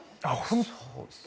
そうですね。